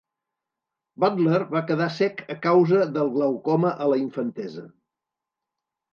Butler va quedar cec a causa del glaucoma a la infantesa.